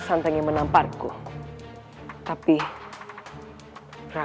memang lebih mengenai al clips